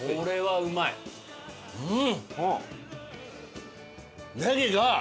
うん！